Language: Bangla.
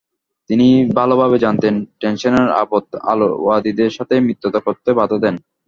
তিনি ভালভাবে জানতেন, টেমসেনের আবদ আল-ওয়াদিদের সাথে মিত্রতা করতে বাধা দেন।